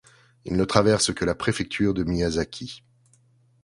Il ne traverse que la préfecture de Miyazaki.